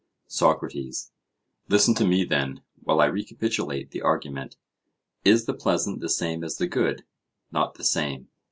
SOCRATES: Listen to me, then, while I recapitulate the argument:—Is the pleasant the same as the good? Not the same.